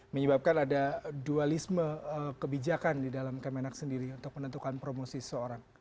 menyebabkan ada dualisme kebijakan di dalam kemenak sendiri untuk menentukan promosi seorang